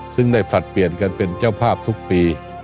ซึ่งได้ผลัดเปลี่ยนกันเป็นเจ้าภาพทุกปี